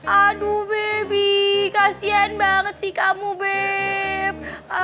aduh bebi kasian banget sih kamu beb